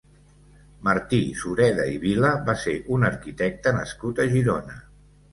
Martí Sureda i Vila va ser un arquitecte nascut a Girona.